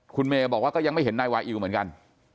คุณเมย์บอกว่าก็ยังไม่เห็นนายวาอิวเหมือนกัน